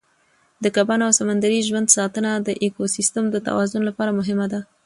د کبانو او سمندري ژوند ساتنه د ایکوسیستم د توازن لپاره مهمه ده.